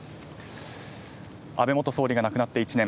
安倍元総理が亡くなって１年。